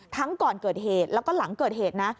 ก่อนเกิดเหตุแล้วก็หลังเกิดเหตุนะ